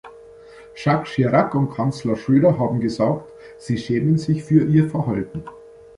Jacques Chirac und Kanzler Schröder haben gesagt, sie schämen sich für Ihr Verhalten.